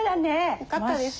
よかったです。